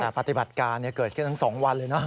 แต่ปฏิบัติการเกิดขึ้นทั้ง๒วันเลยนะ